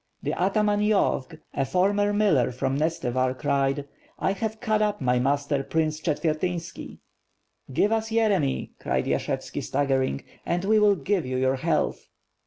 The ataman Yovk, a former miller from Nestevar cried: "I have cut up my master Prince Chetvertynski." "Give us Yere my," cried Yashevski staggering, "and we will give you your health."